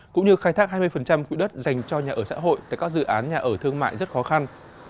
cũng như khai thác hai mươi quỹ đất dành cho nhà ở xã hội tại các dự án nhà ở thương mại rất khó khăn